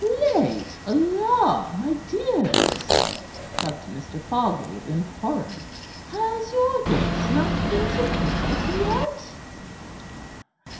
"Late! La, my dears!" clucked Mr. Falgate in horror. "Has your grace not been to bed yet?"